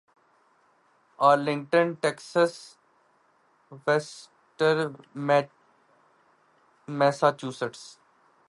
Arlington Texas Westchester Massachusetts